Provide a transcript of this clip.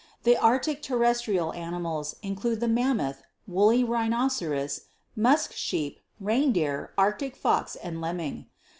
The Arctic terrestrial animals include the mammoth woolly rhinoceros, musk sheep, reindeer, Arctic fox and lemming.